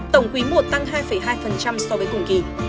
tổng quý i tăng hai hai so với cùng kỳ